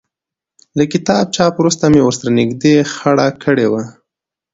له کتاب چاپ وروسته مې ورسره نږدې خړه کړې وه.